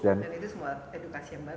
dan itu semua edukasi yang bagus